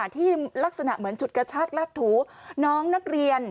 ที่ลักษณะเหมือนฉุดกระชากลากถูน้องนักเรียน